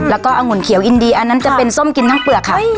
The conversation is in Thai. แล้วก็องุ่นเขียวอินดีอันนั้นจะเป็นส้มกินทั้งเปลือกค่ะ